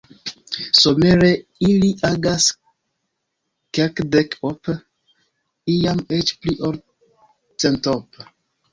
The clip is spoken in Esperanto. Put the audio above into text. Somere ili agas kelkdek-ope, iam eĉ pli-ol-centope.